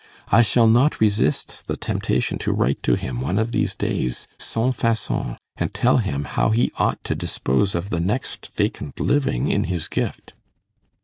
I shall not resist the temptation to write to him one of these days sans façon, and tell him how he ought to dispose of the next vacant living in his gift.